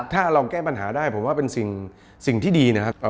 ถ้าเราแก้ปัญหาได้ผมว่าเป็นสิ่งที่ดีนะครับ